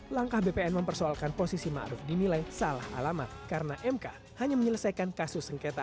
langkah bpn mempersoalkan posisi ma'ruf dimilai salah alamat karena mk hanya menyelesaikan kasus sengketa